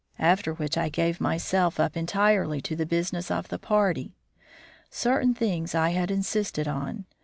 After which I gave myself up entirely to the business of the party. Certain things I had insisted on.